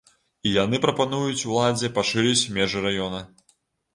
І яны прапануюць уладзе пашырыць межы раёна.